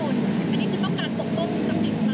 อันนี้คือต้องการปกป้องสักสีของหนู